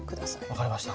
分かりました。